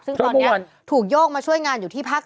ซึ่งตอนนี้ถูกโยกมาช่วยงานอยู่ที่ภาค๔